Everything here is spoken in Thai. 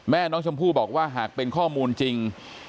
แม่น้องชมพู่บอกว่าหากเป็นข้อมูลจริง